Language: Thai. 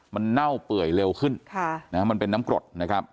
มันเน่าเปื่อยเร็วขึ้นมันเป็นน้ำกรดนะครับ